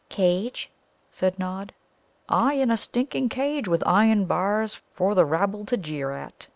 "Cage?" said Nod. "Ay, in a stinking cage, with iron bars, for the rabble to jeer at.